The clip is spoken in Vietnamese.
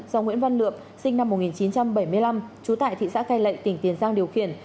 do nguyễn văn lượm sinh năm một nghìn chín trăm bảy mươi năm trú tại thị xã cai lệ tỉnh tiền giang điều khiển